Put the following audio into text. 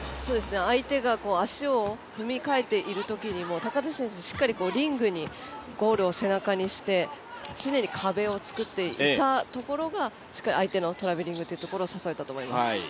相手が足を踏み換えているときにも高田選手、しっかり、リングにゴールを背中にして常に壁を作っていたところがしっかり相手のトラベリングというところを誘えたと思います。